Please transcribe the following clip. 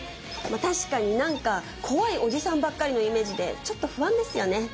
確かになんか怖いおじさんばっかりのイメージでちょっと不安ですよね。